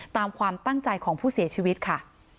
ตามความตั้งใจของผู้เสียชีวิตค่ะ